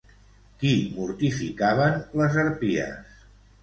Qui mortificaven les harpies?